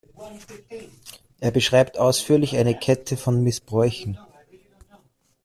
Er beschreibt ausführlich eine Kette von Missbräuchen.